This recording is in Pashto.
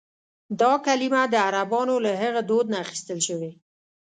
دا کلیمه د عربانو له هغه دود نه اخیستل شوې.